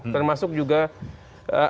termasuk juga artikel yang diperoleh